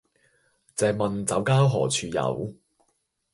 借問酒家何處有